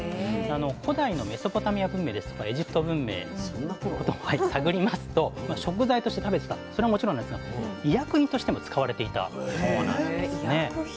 古代のメソポタミア文明ですとかエジプト文明探りますと食材として食べてたそれはもちろんなんですが医薬品としても使われていたそうなんですね。へ医薬品。